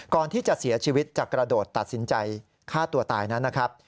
ก่อนที่จะเสียชีวิตจะกระโดดตัดสินใจฆ่าตัวตายนั้นนะครับ